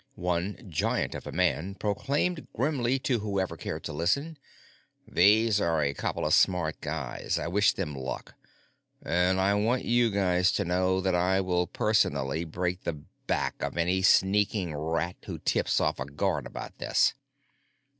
One giant of a man proclaimed grimly to whoever cared to listen: "These are a couple of smart guys. I wish them luck. And I want you guys to know that I will personally break the back of any sneaking rat who tips off a guard about this."